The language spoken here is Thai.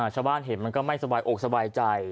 ชาวบ้านเห็นมันก็ไม่สบายอกสบายใจ